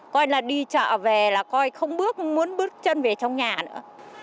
coi là đi chợ về là coi không bước muốn bước chân về trong nhà nữa